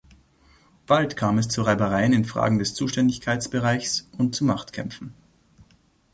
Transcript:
Bald kam es zu Reibereien in Fragen des Zuständigkeitsbereiches und zu Machtkämpfen.